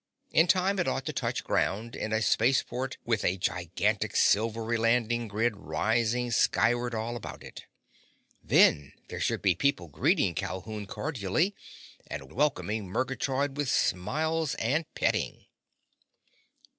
In time it ought to touch ground in a spaceport with a gigantic, silvery landing grid rising skyward all about it. Then there should be people greeting Calhoun cordially and welcoming Murgatroyd with smiles and petting.